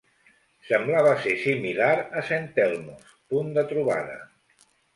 Semblava ser similar a St. Elmo's, punt de trobada.